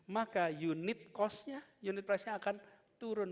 maka unit cost nya unit price nya akan turun